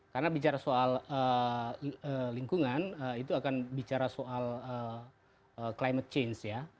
karena bicara soal lingkungan itu akan bicara soal climate change ya